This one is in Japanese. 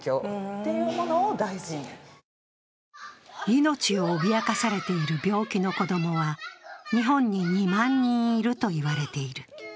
命を脅かされている病気の子供は日本に２万人いるといわれている。